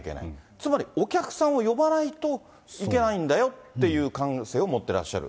つまりお客さんを呼ばないといけないんだよっていう感性を持ってらっしゃる。